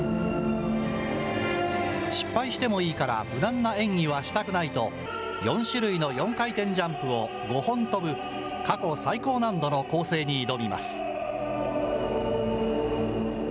失敗してもいいから、無難な演技はしたくないと、４種類の４回転ジャンプを５本跳ぶ、過去最高難度の構成に挑みます。